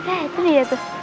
eh itu dia tuh